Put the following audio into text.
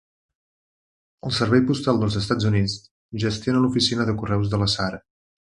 El Servei Postal dels Estats Units gestiona l'oficina de correus de Lasara.